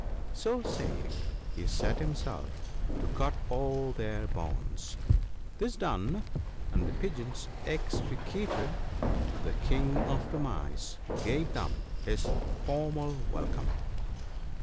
So saying he set himself to cut all their bonds. This done, and the pigeons extricated, the King of the Mice gave them his formal welcome.